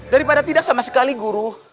daripada tidak sama sekali guru